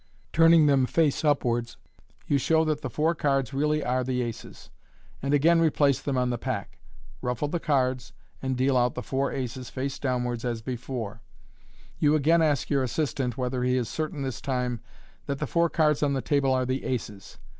Turning them face upwards, you show that the four cards really are the aces, and again replace them on the pack, ruffle the cards, and deal out the four aces face downwards as before, You again ask your assistant whether he is certain this time that the four cards on the table are the aces.